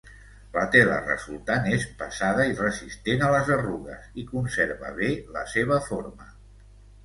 La tela resultant és pesada i resistent a les arrugues, i conserva bé la seva forma.